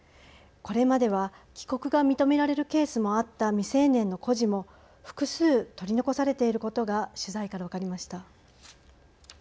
これまでは帰国が認められるケースもあった未成年の孤児も複数、取り残されていることが取材から分かりました。